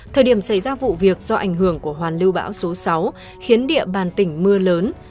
thời điểm xảy ra vụ việc do ảnh hưởng của hoàn lưu bão số sáu khiến địa bàn tỉnh mưa lớn